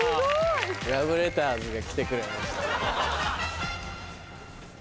ラブレターズが来てくれました。